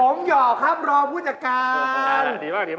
ผมหยอกครับรองผู้จัดการ